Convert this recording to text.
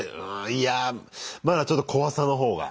いやあまだちょっと怖さの方が。